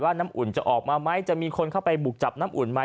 น้ำอุ่นจะออกมาไหมจะมีคนเข้าไปบุกจับน้ำอุ่นไหม